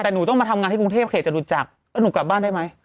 แต่หนูต้องมาทำงานที่กรุงเทพเขตจตุจักรแล้วหนูกลับบ้านได้ไหม